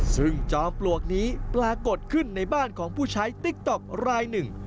ซึ่งจอมปลวกนี้ปรากฏขึ้นในบ้านของผู้ใช้ติ๊กต๊อกรายหนึ่ง